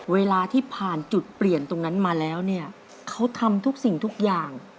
เวลาที่ผ่านจุดเปลี่ยนตรงนั้นมาแล้วเนี่ยเขาทำทุกสิ่งทุกอย่าง